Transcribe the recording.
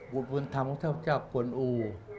บุญธรรมของเทพเจ้ากวนอู